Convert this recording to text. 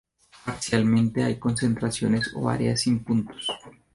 Parcialmente hay concentraciones o áreas sin puntos.